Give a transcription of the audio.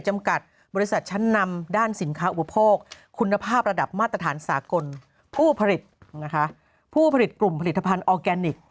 มาตรฐานสากลผู้ผลิตกลุ่มผลิตภัณฑ์ออร์แกนิค